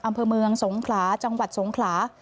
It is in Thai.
อำเภอเมืองสงขลาจังหวัดสงขลา